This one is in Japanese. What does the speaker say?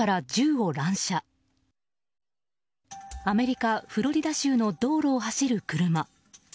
アメリカ・フロリダ州の道路を走る車。